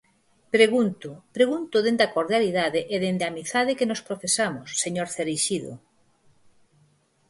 Pregunto, pregunto dende a cordialidade e dende a amizade que nos profesamos, señor Cereixido.